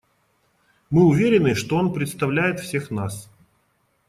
Мы уверены, что он представляет всех нас.